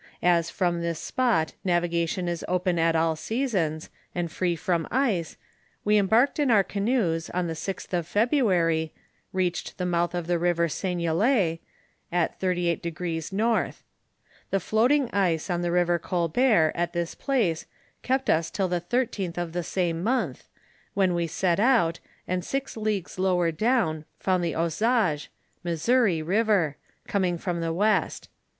As from this spot navigation is open at all seasons, and free from ice, we embarked in our canoes, and on the 6th of Feb ruary, reached the mouth of the river Seignelay, at 38° north. The floating ice on the river Colbert, at this place, kept us till the 13th of the same month, when we set out, and six leagues lower down, found the Ozage (Missouri) river, coming from the west.